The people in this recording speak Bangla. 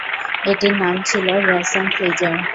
এটির নাম ছিল ড্রাছেনফ্লিজার।